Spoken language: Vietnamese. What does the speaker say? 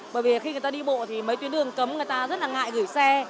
bởi vì khi người ta đi bộ thì mấy tuyến đường cấm người ta rất là ngại gửi xe